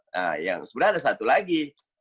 sebenarnya ada satu lagi